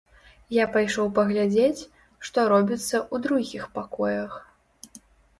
Я пайшоў паглядзець, што робіцца ў другіх пакоях.